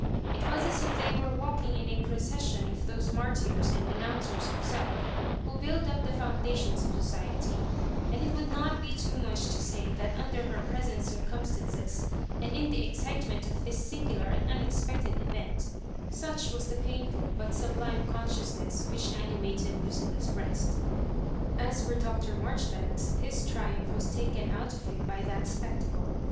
It was as if they were walking in a procession of those martyrs and renouncers of self, who build up the founda tions of society ; and it would not be too much to say that under her present circumstances, and in the excitement of this singular and unex pected event, such was the painful but sub Digitized by VjOOQIC MISS MABJOBIBANEia 131 lime consciousness which animated Lucilla^s breast. • As for Dr. Ifarjoribanks, his triumph was taken out of him by that spectacle.